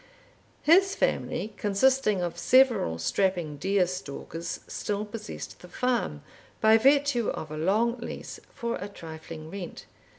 His family, consisting of several strapping deer stalkers, still possessed the farm, by virtue of a long lease, for a trifling rent.